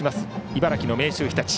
茨城の明秀日立。